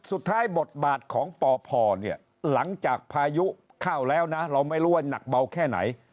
บทบาทของปพเนี่ยหลังจากพายุเข้าแล้วนะเราไม่รู้ว่านักเบาแค่ไหน